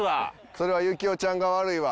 それは行雄ちゃんが悪いわ。